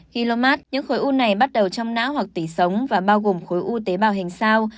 gilomat những khối u này bắt đầu trong não hoặc tỉ sống và bao gồm khối u tế bào hình sao